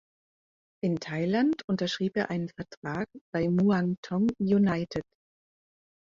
In Thailand unterschrieb er einen Vertrag bei Muangthong United.